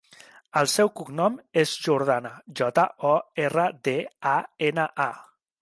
El seu cognom és Jordana: jota, o, erra, de, a, ena, a.